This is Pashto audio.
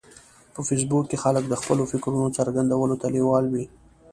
په فېسبوک کې خلک د خپلو فکرونو څرګندولو ته لیوال وي